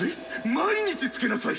毎日つけなさい！